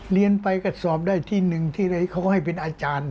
เรียนไปก็สอบได้ที่หนึ่งที่อะไรเขาก็ให้เป็นอาจารย์